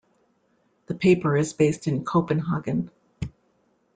The paper is based in Copenhagen.